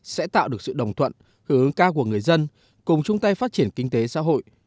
sẽ tạo được sự đồng thuận hướng cao của người dân cùng chung tay phát triển kinh tế xã hội